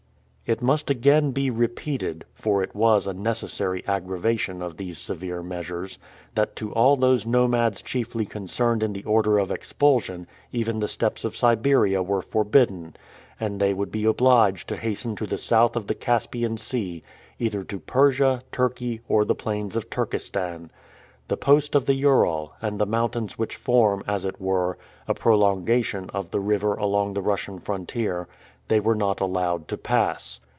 It must again be repeated for it was a necessary aggravation of these severe measures that to all those nomads chiefly concerned in the order of expulsion even the steppes of Siberia were forbidden, and they would be obliged to hasten to the south of the Caspian Sea, either to Persia, Turkey, or the plains of Turkestan. The post of the Ural, and the mountains which form, as it were, a prolongation of the river along the Russian frontier, they were not allowed to pass.